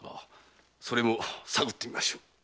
それも探ってみましょう。